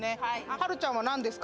はるちゃんは、何ですか？